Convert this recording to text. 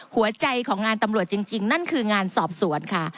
หัวใจของงานตำรวจจริงนั่นคืองานสอบสวนค่ะ